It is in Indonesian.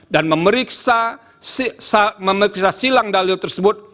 dan memeriksa silang dalil tersebut